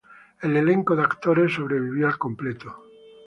El elenco de actores sobrevivió al completo.